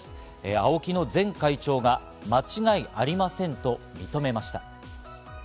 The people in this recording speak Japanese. ＡＯＫＩの前会長が間違いありませんと認めました。